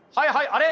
あれ？